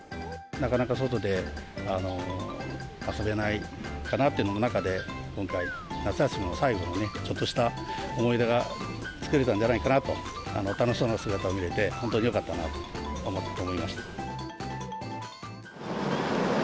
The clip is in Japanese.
なかなか外で遊べないかなって中で、今回、夏休みの最後の、ちょっとした思い出が作れたんじゃないかなと、楽しそうな姿を見れて、本当によかったなと思いました。